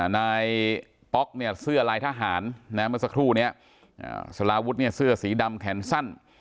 นายป๊อกเนี่ยเสื้อลายทหารเมื่อสักครู่นี้สลาวุฒิเนี่ยเสื้อสีดำแขนสั้น